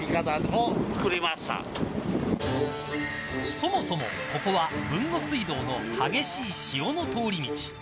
そもそも、ここは豊後水道の激しい潮の通り道。